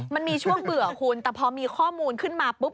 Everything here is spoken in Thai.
มันมีช่วงเบื่อคุณแต่พอมีข้อมูลขึ้นมาปุ๊บ